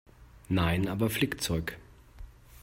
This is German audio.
Nein, aber Flickzeug.